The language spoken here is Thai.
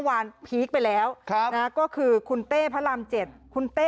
วานพีคไปแล้วก็คือคุณเต้พระราม๗คุณเต้